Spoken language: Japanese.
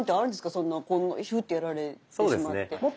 そんなヒュッとやられてしまって。